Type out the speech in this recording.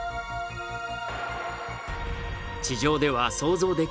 地上では想像できない